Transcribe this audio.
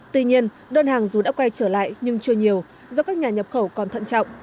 tuy nhiên đơn hàng dù đã quay trở lại nhưng chưa nhiều do các nhà nhập khẩu còn thận trọng